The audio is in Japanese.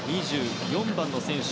２４番の選手